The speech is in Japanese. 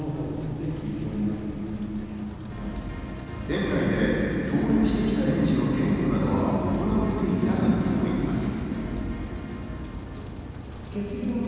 園内で登園してきた園児の点呼などは行われていなかったといいます。